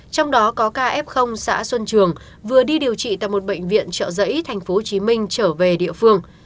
trong đó có ca f xã xuân trường vừa đi điều trị tại một bệnh viện trợ giấy tp hcm trở về địa phương